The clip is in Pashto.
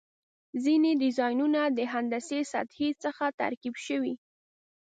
ځینې ډیزاینونه د هندسي سطحې څخه ترکیب شوي.